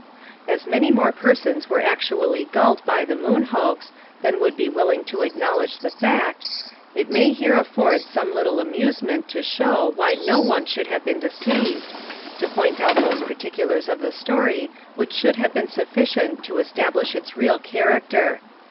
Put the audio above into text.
As many more persons were actually gulled by the "Moon Hoax" than would be willing to acknowledge the fact, it may here afford some little amusement to show why no one should have been deceived to point out those particulars of the story which should have been sufficient to establish its real character.